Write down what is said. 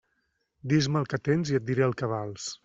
Dis-me el que tens i et diré el que vals.